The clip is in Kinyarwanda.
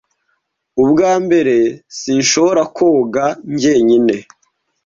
Ubwa mbere, sinshobora koga jyenyine.